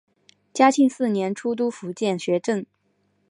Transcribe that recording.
嘉庆四年出督福建学政。